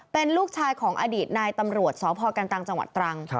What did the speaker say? เป็นลูกชายของอดีตนายตำรวจสพกันตังจังหวัดตรัง